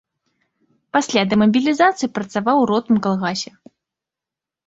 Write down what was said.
Пасля дэмабілізацыі працаваў у родным калгасе.